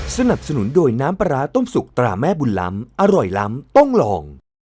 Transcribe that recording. สนับสนุนโดยน้ำปลาร้าต้มสุกตราแม่บุญล้ำอร่อยล้ำต้องลอง